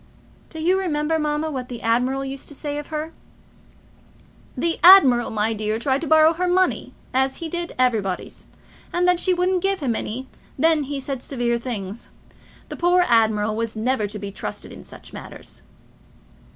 "Do you remember, mamma, what the admiral used to say of her?" "The admiral, my dear, tried to borrow her money, as he did everybody's, and when she wouldn't give him any, then he said severe things. The poor admiral was never to be trusted in such matters."